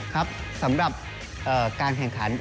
ครับสำหรับการแข่งขัน